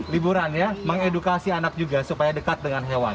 liburan ya mengedukasi anak juga supaya dekat dengan hewan